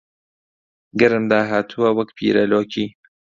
گەرم داهاتووە وەک پیرە لۆکی